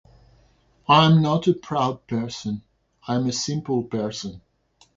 I'm not a proud person. I'm a simple person.